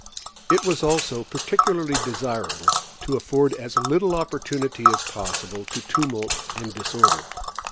It was also peculiarly desirable to afford as little opportunity as possible to tumult and disorder.